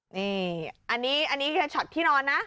นี่อันนี้อันนี้ช็อตที่นอนนะ